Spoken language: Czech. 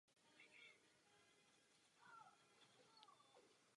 Pyšný tluče jen tenkráte na zavřená vrata, když se o něco velikého jedná!